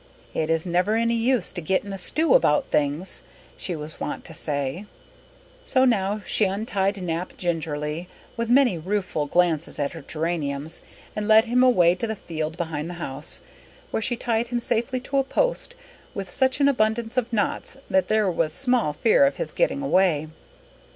"It is never any use to get in a stew about things," she was wont to say. So now she untied Nap gingerly, with many rueful glances at her geraniums, and led him away to the field behind the house, where she tied him safely to a post with such an abundance of knots that there was small fear of his getting away.